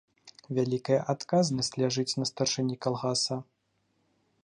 Вялікая адказнасць ляжыць на старшыні калгаса.